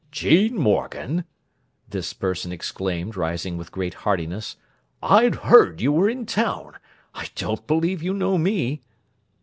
"'Gene Morgan!" this person exclaimed, rising with great heartiness. "I'd heard you were in town—I don't believe you know me!"